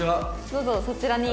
どうぞそちらに。